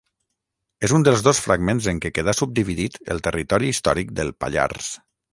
És un dels dos fragments en què quedà subdividit el territori històric del Pallars.